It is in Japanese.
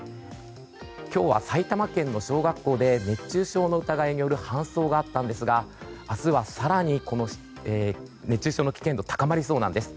今日は埼玉県の小学校で熱中症の疑いによる搬送があったんですが明日は更に熱中症の危険度が高まりそうなんです。